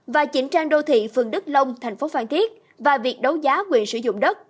và chỉnh trang đô thị phường đức long thành phố phan thiết và việc đấu giá quyền sử dụng đất